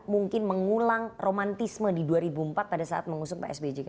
mungkin mengulang romantisme di dua ribu empat pada saat mengusung pak s b j k